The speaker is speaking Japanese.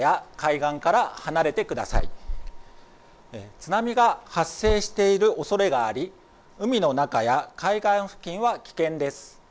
津波が発生しているおそれがあり海の中や海岸付近は危険です。